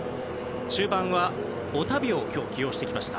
中盤はオタビオを今日、起用してきました。